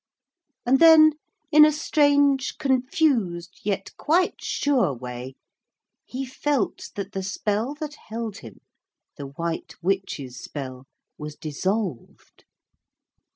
And then in a strange, confused, yet quite sure way, he felt that the spell that held him, the White Witch's spell, was dissolved.